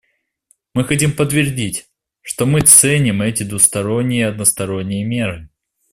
Мы хотим подтвердить, что мы ценим эти двусторонние и односторонние меры.